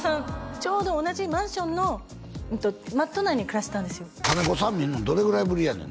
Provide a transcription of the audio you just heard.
ちょうど同じマンションの真隣に暮らしてたんですよ金子さん見るのどれぐらいぶりやねん？